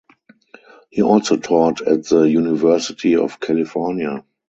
He also taught at the University of California.